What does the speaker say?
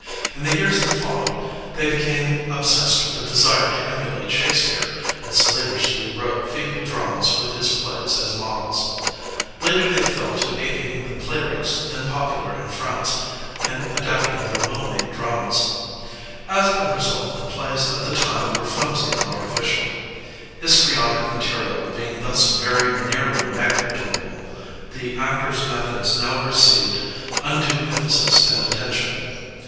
In the years that fol lowed, they became obsessed with a desire to emulate Shakespeare, and slavishly wrote feeble dramas with Digitized by LjOOQIC THE ACTOR IN ENGLAND 557 his plays as models; later they fell to aping the playwrights then popular in France and adapting their well made dramas. As a result the plays of the time were flimsy and artiflciaL Histrionic ma terial being thus very nearly negligible, the actor's methods now received undue emphasis and atten tion.